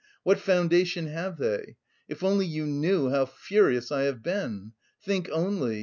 What foundation have they? If only you knew how furious I have been. Think only!